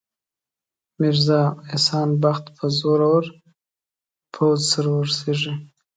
میرزا احسان بخت به زورور پوځ سره ورسیږي.